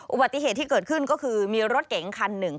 อุบัติเหตุที่เกิดขึ้นก็คือมีรถเก๋งคันหนึ่ง